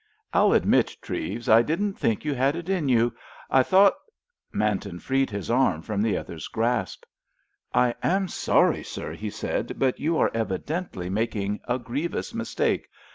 "I'll admit, Treves, I didn't think you had it in you. I thought——" Manton freed his arm from the other's grasp. "I am sorry, sir," he said, "but you are evidently making a grievous mistake.